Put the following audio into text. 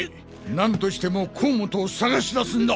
何としても甲本を捜し出すんだ！